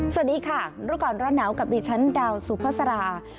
สวัสดีค่ะรู้ก่อนร้อนหนาวกับดิฉันดาวสุภาษา